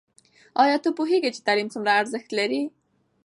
ایا ته پوهېږې چې تعلیم څومره ارزښت لري؟